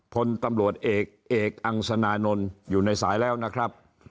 พลตำรวจเอกเอกอังสนานนท์อยู่ในสายแล้วนะครับ